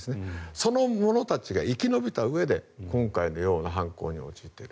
その者たちが生き延びたうえで今回のような犯行に陥っている。